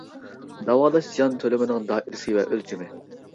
داۋالاش زىيان تۆلىمىنىڭ دائىرىسى ۋە ئۆلچىمى.